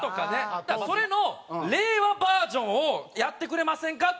それの令和バージョンをやってくれませんかっていう事で。